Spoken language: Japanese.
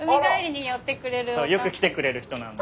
よく来てくれる人なんで。